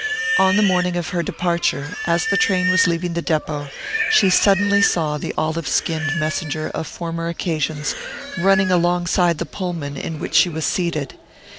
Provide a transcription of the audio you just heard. On the morning of her departure, as the train was leaving the depot, she suddenly saw the olive skinned messenger of former occasions running alongside the Pullman in which she was seated.